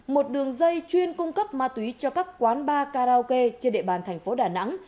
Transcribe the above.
một đường dây chuyên cung cấp ma túy cho các quán bar karaoke trên địa bàn thành phố đà nẵng